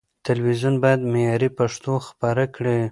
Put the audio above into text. تلويزيون بايد معياري پښتو خپره کړي.